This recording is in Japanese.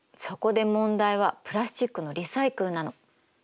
そこで問題はプラスチックのリサイクルなの。